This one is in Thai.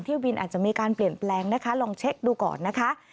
บินอาจจะมีการเปลี่ยนแปลงนะคะลองเช็คดูก่อนนะคะ